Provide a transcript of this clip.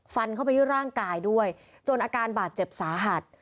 ฟันเข้าไปที่ร่างกายด้วยจนอาการบาดเจ็บสาหัส